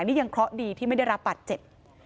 นี่ยังเคราะห์ดีที่ไม่ได้รับบาดเจ็บ